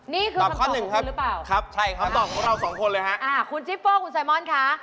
นี่คือคำตอบของคุณหรือเปล่าคำตอบของเรา๒คนเลยฮะคุณจิปโฟร์คุณไซมอนค่ะ